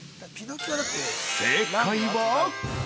◆正解は◆